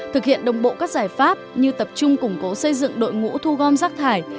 thực hiện đồng bộ các giải pháp như tập trung củng cố xây dựng đội ngũ thu gom rác thải